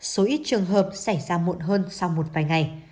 số ít trường hợp xảy ra muộn hơn sau một vài ngày